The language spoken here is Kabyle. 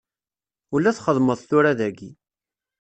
Ula txedmeḍ tura dagi.